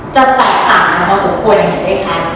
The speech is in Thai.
จะแตกต่างกันพอสมควรอย่างงี้ได้ชัด